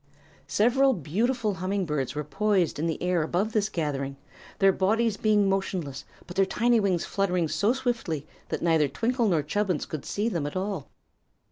Several beautiful humming birds were poised in the air above this gathering, their bodies being motionless but their tiny wings fluttering so swiftly that neither Twinkle nor Chubbins could see them at all.